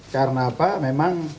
karena apa memang